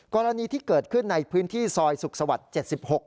กรณีที่เกิดขึ้นในพื้นที่ซอยสุขสวรรค์๗๖